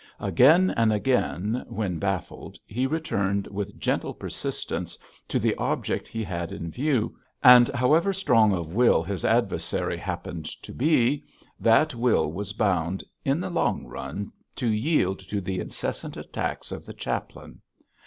Again and again, when baffled, he returned with gentle persistence to the object he had in view, and however strong of will his adversary happened to be, that will was bound, in the long run, to yield to the incessant attacks of the chaplain.